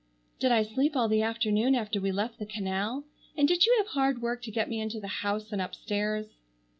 "Did I sleep all the afternoon after we left the canal? And did you have hard work to get me into the house and upstairs?"